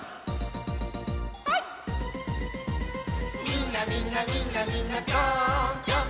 「みんなみんなみんなみんなぴょーんぴょん」